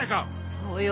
そうよ！